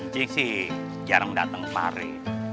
cik sih jarang datang kemari